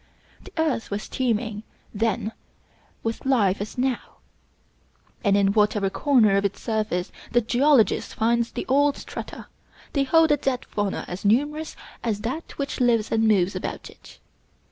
The earth was teeming then with life as now; and in whatever corner of its surface the geologist finds the old strata, they hold a dead fauna as numerous as that which lives and moves above it.